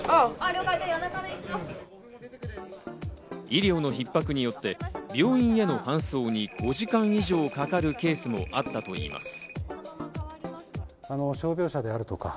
医療のひっ迫によって病院への搬送に５時間以上かかるケースもあったといいます。